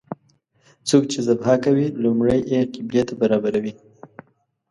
څوک چې ذبحه کوي لومړی یې قبلې ته برابروي.